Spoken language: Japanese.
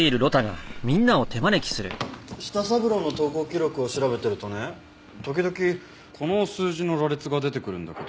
舌三郎の投稿記録を調べてるとね時々この数字の羅列が出てくるんだけど。